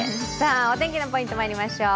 お天気のポイントまいりましょう。